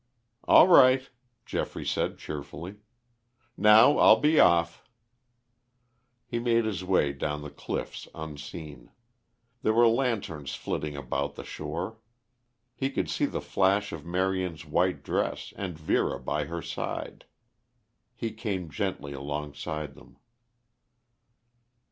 "All right," Geoffrey said cheerfully. "Now I'll be off." He made his way down the cliffs unseen. There were lanterns flitting about the shore; he could see the flash of Marion's white dress and Vera by her side. He came gently alongside them.